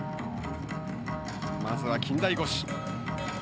まずは近代五種。